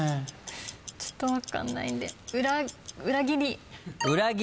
ちょっと分かんないんでうらぎり。